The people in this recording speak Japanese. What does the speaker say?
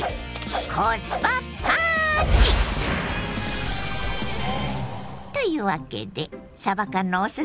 コスパ・パーンチ！というわけでさば缶のお裾分け。